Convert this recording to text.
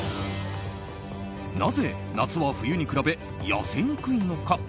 なぜ、夏は冬に比べ痩せにくいのか。